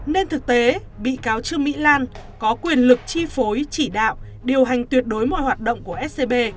nên thực tế bị cáo trương mỹ lan có quyền lực chi phối chỉ đạo điều hành tuyệt đối mọi hoạt động của scb